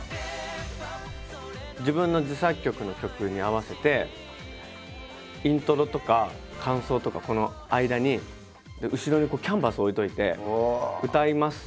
自分の自作曲の曲に合わせてイントロとか間奏とかこの間に後ろにこうキャンバス置いておいて歌います。